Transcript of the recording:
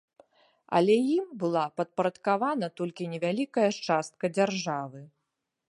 Але ім была падпарадкавана толькі невялікая частка дзяржавы.